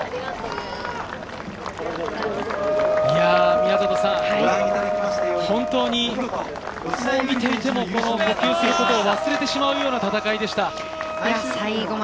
宮里さん、本当に、見ていても、呼吸を忘れてしまうような戦いでした。